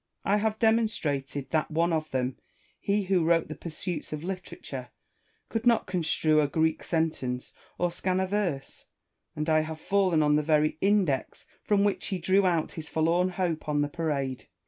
I have demonstrated that one of them, he who wrote the Pursuits of Literature, could not construe a Greek sentence or scan a verse ; and I have fallen on the very Index from which he drew out his foi'lorn hope on the parade.